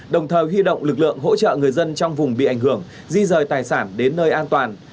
đồng thời huy động lực lượng hỗ trợ người dân trong vùng bị ảnh hưởng di rời tài sản đến nơi an toàn